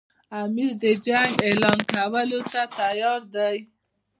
امیر د جنګ اعلان کولو ته تیار دی.